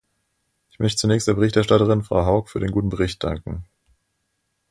Ich möchte zunächst der Berichterstatterin, Frau Haug, für den guten Bericht danken.